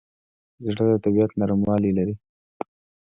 زړه د طبیعت نرموالی لري.